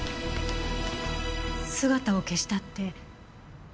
姿を消したって。